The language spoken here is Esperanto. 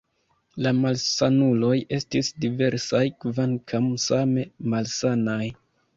La malsanuloj estis diversaj, kvankam same malsanaj.